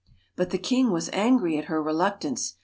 But the king was angry at her reluctance.